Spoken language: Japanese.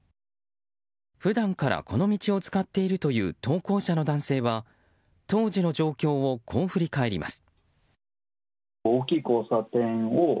普段からこの道を使っているという投稿者の男性は当時の状況をこう振り返ります。